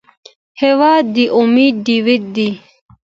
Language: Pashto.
هېواد د امید ډیوټ دی.